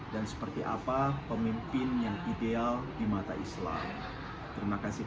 dan seperti apa pemimpin yang ideal di mata islam